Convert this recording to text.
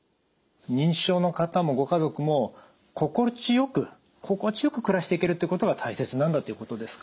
認知症の方もご家族も心地よく心地よく暮らしていけるってことが大切なんだっていうことですか？